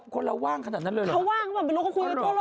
คนเราว่างขนาดนั้นเลยเหรอ